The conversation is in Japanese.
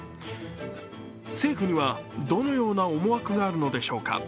政府には、どのような思惑があるのでしょうか。